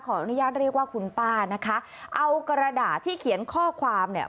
ขออนุญาตเรียกว่าคุณป้านะคะเอากระดาษที่เขียนข้อความเนี่ย